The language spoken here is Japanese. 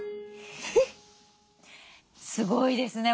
すごいですね。